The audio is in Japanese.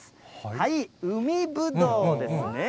はい、海ぶどうですね。